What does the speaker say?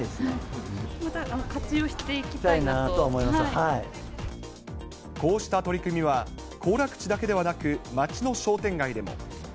また活用していきたいなと思こうした取り組みは、行楽地だけではなく、街の商店街でも。